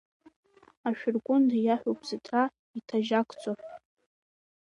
Ашәыргәында иаҳәоуп зыҭра иҭажьакцо.